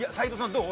どう？